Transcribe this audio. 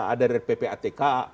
ada dari ppatk